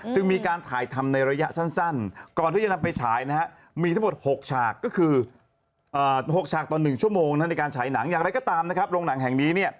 จึงมีการถ่ายทำในระยะสั้น